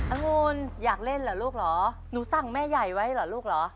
องุนอยากเล่นเหรอลูกเหรอหนูสั่งแม่ใหญ่ไว้เหรอลูกเหรอ